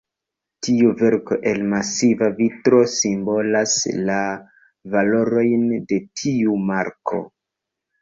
Tiu verko el masiva vitro simbolas la valorojn de tiu marko.